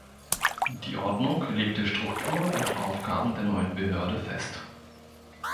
Die Ordnung legte Struktur und Aufgaben der neuen Behörde fest.